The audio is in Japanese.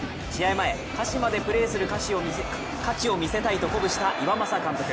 前、鹿島でプレーする価値を見せたいと鼓舞した岩政監督。